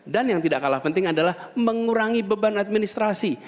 dan yang tidak kalah penting adalah mengurangi beban administrasi